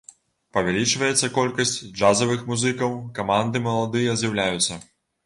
Павялічваецца колькасць джазавых музыкаў, каманды маладыя з'яўляюцца.